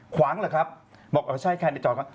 ขวางเหรอครับบอกใช่แค่นี้จอดขวาง